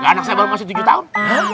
anak saya belum masih tujuh tahun